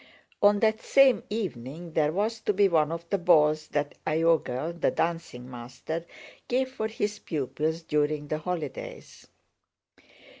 On that same evening there was to be one of the balls that Iogel (the dancing master) gave for his pupils during the holidays.